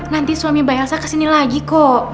nanti suami mbak elsa kesini lagi kok